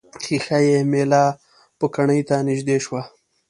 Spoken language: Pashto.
ښيښه یي میله پوکڼۍ ته نژدې شوه.